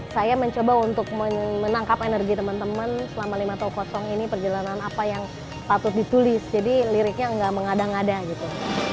saya mencoba untuk menangkap energi teman teman selama lima tahun kosong ini perjalanan apa yang patut ditulis jadi liriknya nggak mengada ngada gitu